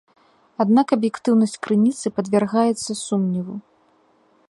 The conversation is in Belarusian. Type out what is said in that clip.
Аднак аб'ектыўнасць крыніцы падвяргаецца сумневу.